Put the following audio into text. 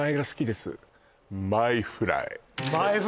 マイフライ